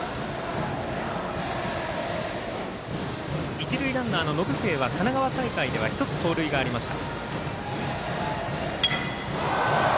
一塁ランナーの延末は神奈川大会では１つ、盗塁がありました。